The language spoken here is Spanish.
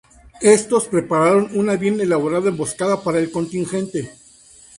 Estos prepararon una bien elaborada emboscada para el contingente.